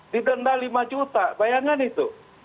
didenda lima juta bayangkan itu